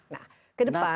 nah ke depan